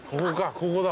ここだ。